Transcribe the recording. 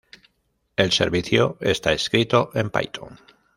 El servicio está escrito en Python.